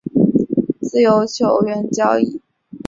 自由球员交易